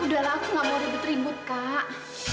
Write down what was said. udahlah aku gak mau ribet ribet kak